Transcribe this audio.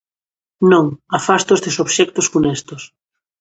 Non, afasto estes obxectos funestos.